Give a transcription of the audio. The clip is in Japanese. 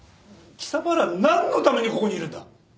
貴様ら何のためにここにいるんだ！？